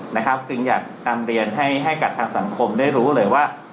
นะครับจึงอยากนำเรียนให้ให้กับทางสังคมได้รู้เลยว่า